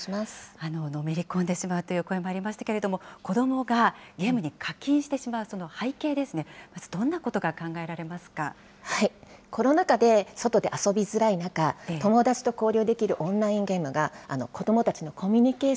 のめり込んでしまうという声もありましたけれども、子どもがゲームに課金してしまう、その背景ですね、まず、どんなことが考コロナ禍で外で遊びづらい中、友達と交流できるオンラインゲームが、子どもたちのコミュニケー